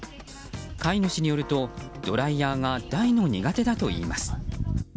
飼い主によるとドライヤーが大の苦手だといいます。